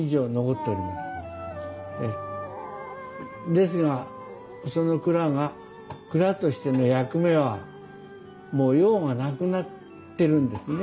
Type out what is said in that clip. ですがその蔵が蔵としての役目はもう用がなくなってるんですね。